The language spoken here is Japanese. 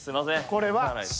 これは。